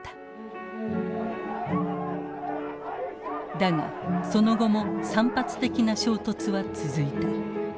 だがその後も散発的な衝突は続いた。